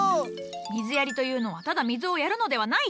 水やりというのはただ水をやるのではない。